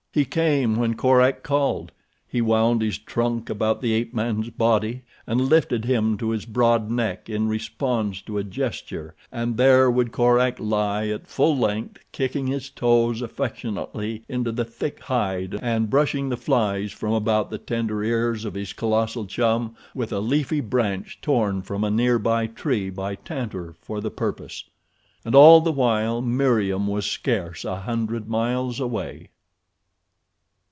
He came when Korak called. He wound his trunk about the ape man's body and lifted him to his broad neck in response to a gesture, and there would Korak lie at full length kicking his toes affectionately into the thick hide and brushing the flies from about the tender ears of his colossal chum with a leafy branch torn from a nearby tree by Tantor for the purpose. And all the while Meriem was scarce a hundred miles away.